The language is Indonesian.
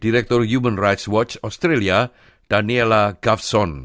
direktur human rights watch australia daniela gafson